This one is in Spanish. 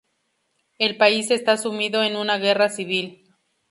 El país está sumido en una guerra civil.